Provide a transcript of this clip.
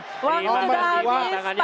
waktu sudah habis pasangan nomor dua